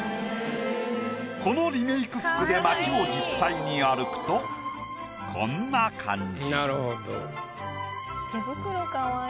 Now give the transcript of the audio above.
このリメイク服で街を実際に歩くとこんな感じ。